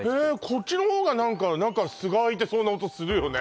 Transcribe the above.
こっちの方が何か中すがあいてそうな音するよね